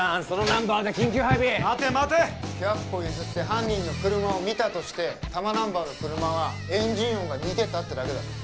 そのナンバーで緊急配備待て待て百歩譲って犯人の車を見たとして多摩ナンバーの車はエンジン音が似てたってだけだ